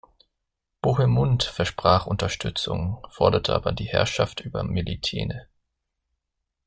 Bohemund versprach Unterstützung, forderte aber die Herrschaft über Melitene.